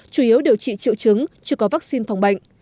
chủ yếu điều trị triệu chứng chưa có vắc xin phòng bệnh